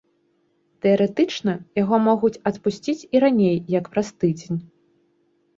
Тэарэтычна яго могуць адпусціць і раней як праз тыдзень.